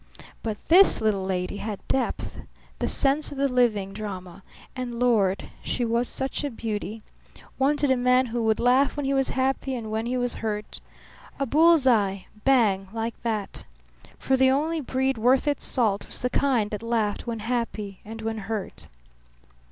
But this little lady had depth, the sense of the living drama; and, Lord, she was such a beauty! Wanted a man who would laugh when he was happy and when he was hurt. A bull's eye bang, like that! For the only breed worth its salt was the kind that laughed when happy and when hurt.